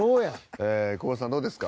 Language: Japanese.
久保田さん、どうですか？